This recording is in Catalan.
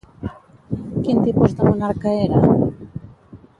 Quin tipus de monarca era?